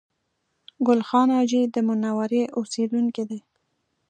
ګل خان حاجي د منورې اوسېدونکی دی